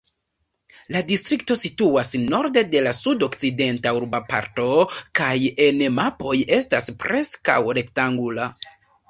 La distrikto situas norde de la sud-okcidenta urboparto kaj en mapoj estas preskaŭ rektangula.